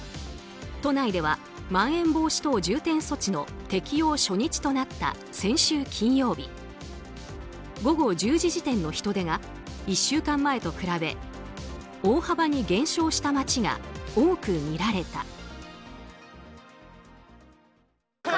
都内ではまん延防止等重点措置の適用初日となった先週金曜日午後１０時時点の人出が１週間前と比べ大幅に減少した街が多く見られた。